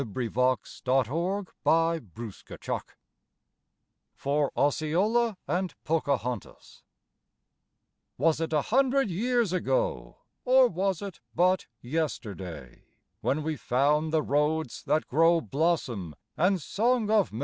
THE FOUNTAIN OF YOUTH (For Osceola and Pocahontas) Was it a hundred years ago, Or was it but yesterday, When we found the roads that grow Blossom and song of May?